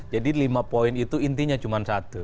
jadi lima poin itu intinya cuma satu